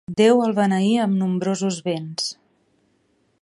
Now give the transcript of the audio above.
Déu el beneí amb nombrosos béns.